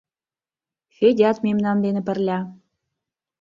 Федят мемнан дене пырля...